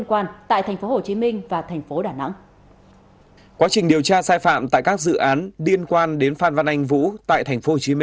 quá trình điều tra sai phạm tại các dự án liên quan đến phan văn anh vũ tại tp hcm